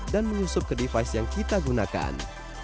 dan mengusup ke device yang kita gunakan